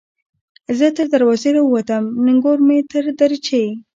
ـ زه تر دروازې راوتم نګور مې تر دريچې